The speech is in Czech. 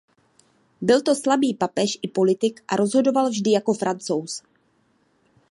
Byl to slabý papež i politik a rozhodoval vždy jako Francouz.